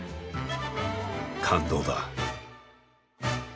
感動だ。